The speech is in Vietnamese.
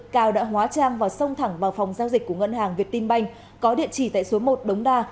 cao đã hóa trang vào sông thẳng vào phòng giao dịch của ngân hàng việt tim banh có địa chỉ tại số một đống đa